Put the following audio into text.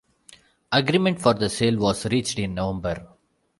Agreement for the sale was reached in November.